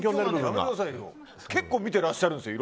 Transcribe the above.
結構見てらっしゃるんですよ